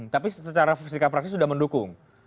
tapi secara sikap fraksi sudah mendukung